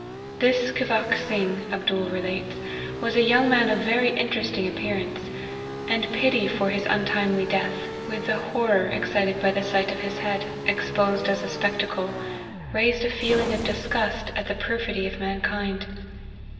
This Scivac Sing, Abdool relates, was a young man of very interesting appearance ; and pity for his untimely death, with the horror excited by the APPENDIX. 203 sight of his head, exposed as a spectacle, raised a feeling of disgust at the perfidy of mankind.